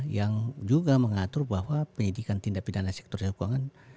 yang juga mengatur bahwa penyedikan tindak perirana sektor jasa keuangan